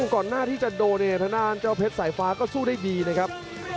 ก่อนหน้าที่จะโดนเนี่ยทางด้านเจ้าเพชรสายฟ้าก็สู้ได้ดีนะครับ